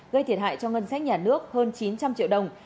gây thiệt hại cho ngân sách nhà nước hơn chín trăm linh triệu đồng